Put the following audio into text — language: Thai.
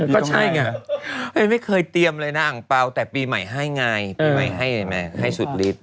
ก็ใช่ไงไม่เคยเตรียมเลยนะอังเปล่าแต่ปีใหม่ให้ไงปีใหม่ให้สุดฤทธิ